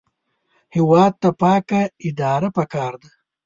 هېواد ته پاکه اداره پکار ده